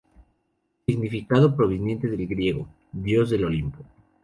Significado proveniente del griego: Dios del Olimpo.